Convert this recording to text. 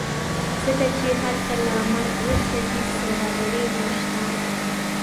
ځکه چې هلته له مرګ وروسته هېڅ سوداګري نشته.